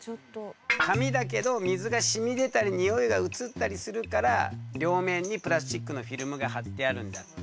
紙だけど水が染み出たりにおいが移ったりするから両面にプラスチックのフィルムが張ってあるんだって。